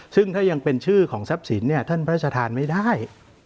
ซึ่งถ้ายังเป็นชื่อของทรัพย์สินเนี่ยท่านพระราชทานไม่ได้